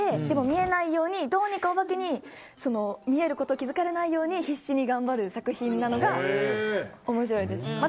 でも見えないようにどうにかお化けに見えることを気付かれないように必死に頑張る作品なのが面白いです。